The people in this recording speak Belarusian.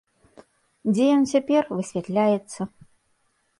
Дзе ён цяпер, высвятляецца.